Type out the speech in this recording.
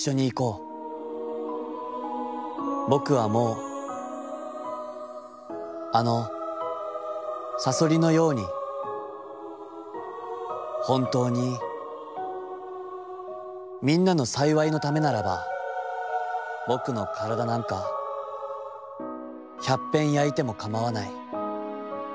僕はもうあのさそりのやうにほんたうにみんなの幸のためならば僕のからだなんか百ぺん灼いてもかまはない』。